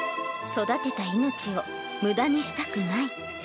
育てた命をむだにしたくない。